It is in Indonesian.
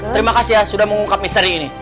terima kasih ya sudah mengungkap misteri ini